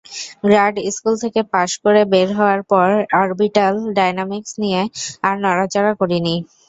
Grad school থেকে পাশ করে বের হওয়ার পর অর্বিট্যাল ডায়নামিক্স নিয়ে আর নাড়াচাড়া করিনি।